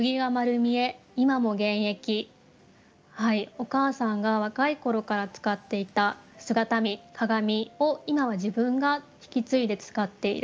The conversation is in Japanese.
お母さんが若い頃から使っていた姿見鏡を今は自分が引き継いで使っている。